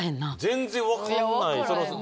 全然分かんない。